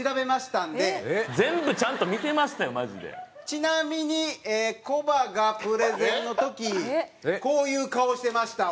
ちなみにコバがプレゼンの時こういう顔してました。